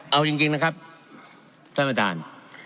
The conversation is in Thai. เอาจริงนะครับท่านประธาน